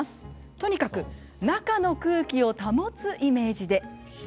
とにかく中の空気を保つイメージで。